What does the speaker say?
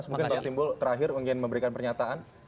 mungkin bang timbul terakhir ingin memberikan pernyataan